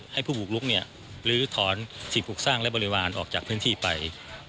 ให้ผู้บุกลุกลื้อถอนสิ่งปลูกสร้างและบริวารออกจากพื้นที่ไป